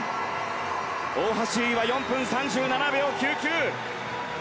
大橋悠依は４分３７秒９９。